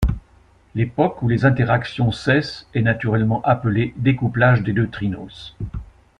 L'époque où les interactions cessent est naturellement appelée découplage des neutrinos.